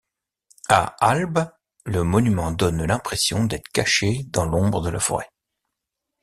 A Halbe, le monument donne l’impression d’être caché dans l’ombre de la forêt.